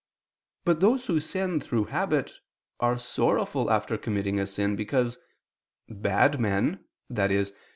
But those who sin through habit, are sorrowful after committing a sin: because "bad men," i.e.